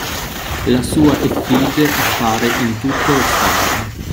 La sua effige appare in tutto lo stato.